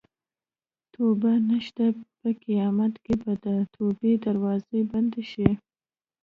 توبه نشته په قیامت کې به د توبې دروازه بنده شي.